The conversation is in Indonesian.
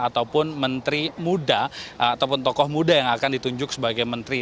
ataupun menteri muda ataupun tokoh muda yang akan ditunjuk sebagai menteri